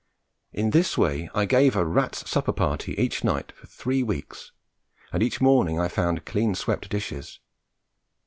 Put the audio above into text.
In this way I gave a rats' supper party each night for three weeks, and each morning I found clean swept dishes.